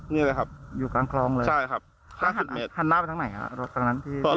นี่เลยครับอยู่กลางคลองเลยใช่ครับห้าสิบเมตรหันหน้าไปทางไหนฮะ